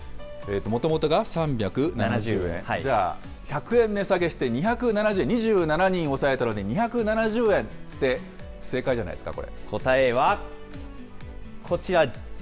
もともとが３７０円？が、１００円値下げして、２７人抑えたので、２７０円って、正解じゃないですか？